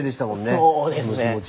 そうですね。